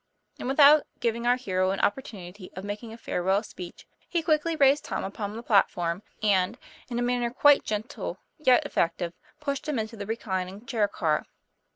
And without giving our hero an opportunity of making a farewell speech, he quickly raised Tom upon the platform, and, in a manner quite gentle, yet effective, pushed him into the reclining chair car.